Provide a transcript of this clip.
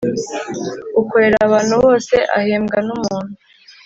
ukorera abantu bose ahembwa numuntu.